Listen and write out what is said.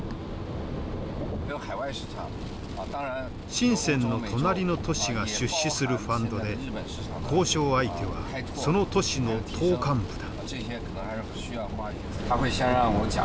深の隣の都市が出資するファンドで交渉相手はその都市の党幹部だ。